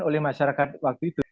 oleh masyarakat waktu itu